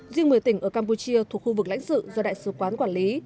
riêng một mươi tỉnh ở campuchia thuộc khu vực lãnh sự do đại sứ quán quản lý